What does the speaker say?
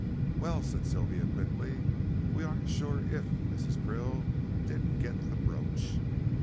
"Well," said Sylvia, quickly, "we aren't sure if Mrs. Krill did get the brooch."